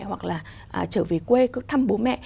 hoặc là trở về quê thăm bố mẹ